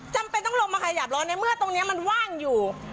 จำเป็นต้องลงมาขยับร้อนในเมื่อตรงนี้มันว่างอยู่